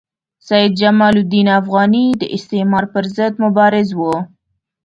سید جمال الدین افغاني د استعمار پر ضد مبارز وو.